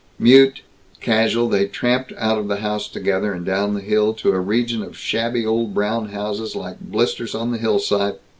Mute, casual, they tramped out of the house together, and down the hill to a region of shabby old brown houses like blisters on the hillside.